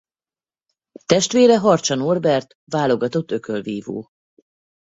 Testvére Harcsa Norbert válogatott ökölvívó.